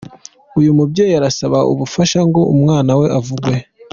Uyu mubyeyi arasaba ubufasha ngo umwana we avugwe.